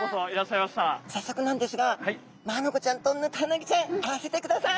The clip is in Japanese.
さっそくなんですがマアナゴちゃんとヌタウナギちゃん会わせてください。